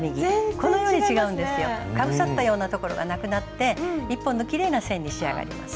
このように違うんですよ。かぶさったようなところがなくなって１本のきれいな線に仕上がります。